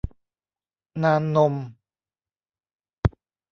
นานนม